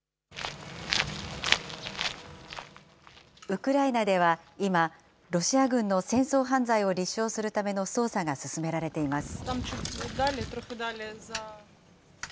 ウクライナでは今、ロシア軍の戦争犯罪を立証するための捜査が進められています。